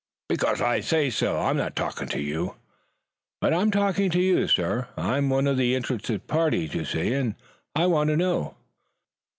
"Because I say so. I'm not talking to you." "But I am talking to you, sir. I am one of the interested parties, you see, and I want to know."